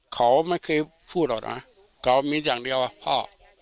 เขาไม่เคยพูดหรอกนะเขามีอย่างเดียวอ่ะพ่อ